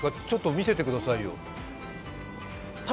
見せてくださいよ。